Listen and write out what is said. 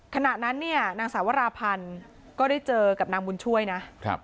ขณะนั้นเนี่ยนางสาวราพันธ์ก็ได้เจอกับนางบุญช่วยนะ